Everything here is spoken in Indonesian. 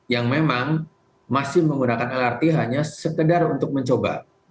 yang memang masih menggunakan lrt hanya sekedar untuk mencoba